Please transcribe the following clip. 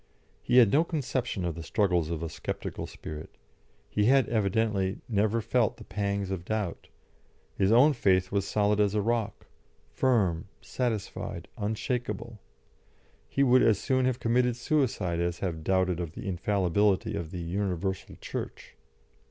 He had no conception of the struggles of a sceptical spirit; he had evidently never felt the pangs of doubt; his own faith was solid as a rock, firm, satisfied, unshakable; he would as soon have committed suicide as have doubted of the infallibility of the "Universal Church."